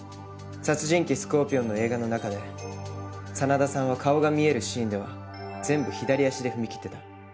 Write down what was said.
『殺人鬼スコーピオン』の映画の中で真田さんは顔が見えるシーンでは全部左足で踏み切ってた。